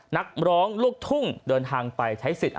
นักร้องลูกทุ่งเดินทางไปใช้สิทธิ์